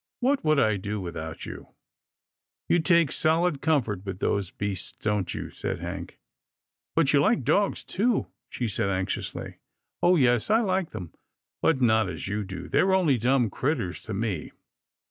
" What would I do without you ?"" You take solid comfort with those beasts, don't you ?" said Hank. " But you like dogs, too !" she said anxiously. " Oh, yes, I like them, but not as you do. They're only dumb critters to me.